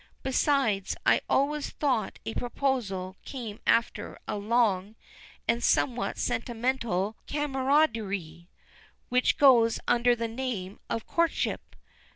Besides, I always thought a proposal came after a long and somewhat sentimental camaraderie, which goes under the name of courtship.